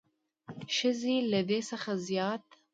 ښځې له دې څخه زیات